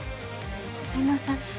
ごめんなさい。